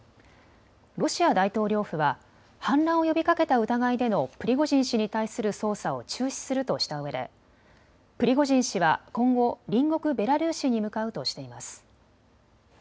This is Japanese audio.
ロシア大統領府は反乱を呼びかけた疑いでのプリゴジン氏に対する捜査を中止するとしたうえプリゴジン氏は今後、隣国ベラルーシに向かうとしています。